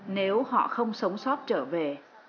nếu họ không sống sót trở về